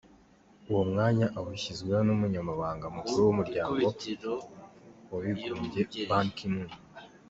Uwo mwanya awushyizweho n’Umunyamabanga mukuru w’Umuryango w’Abigumbye Ban Ki-moon.